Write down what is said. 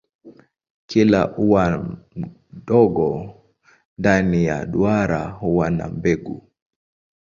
Kila ua mdogo ndani ya duara huwa na mbegu.